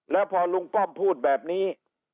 แล้วพอลุงป้อมพูดแบบนี้